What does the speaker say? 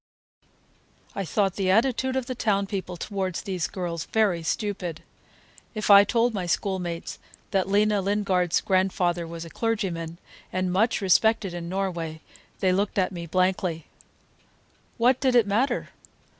I thought the attitude of the town people toward these girls very stupid. If I told my schoolmates that Lena Lingard's grandfather was a clergyman, and much respected in Norway, they looked at me blankly. What did it matter?